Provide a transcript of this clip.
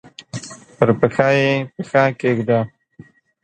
پر پښه یې پښه کښېږده!